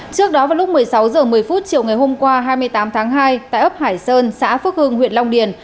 trước đó vào lúc một mươi sáu h một mươi chiều ngày hôm qua hai mươi tám tháng hai tại ấp hải sơn xã phước hưng huyện long điền